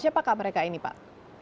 siapakah mereka ini pak